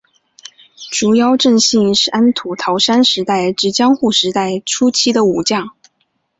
竹腰正信是安土桃山时代至江户时代初期的武将。